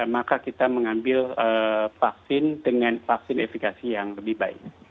maka kita mengambil vaksin dengan vaksin efekasi yang lebih baik